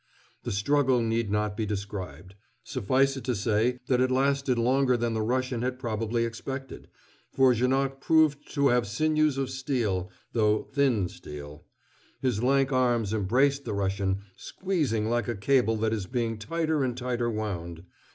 The struggle need not be described. Suffice it to say, that it lasted longer than the Russian had probably expected, for Janoc proved to have sinews of steel, though thin steel. His lank arms embraced the Russian, squeezing like a cable that is being tighter and tighter wound.